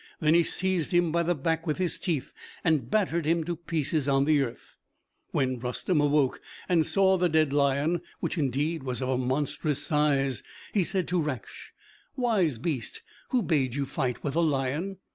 Then he seized him by the back with his teeth, and battered him to pieces on the earth. When Rustem awoke and saw the dead lion, which indeed was of a monstrous size, he said to Raksh, "Wise beast, who bade you fight with a lion?